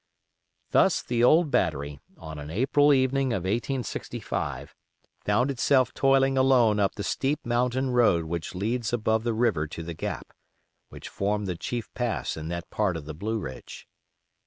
Thus the old battery, on an April evening of 1865, found itself toiling alone up the steep mountain road which leads above the river to the gap, which formed the chief pass in that part of the Blue Ridge.